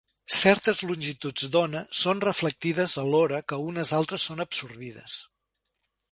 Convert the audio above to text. Certes longituds d'ona són reflectides alhora que unes altres són absorbides.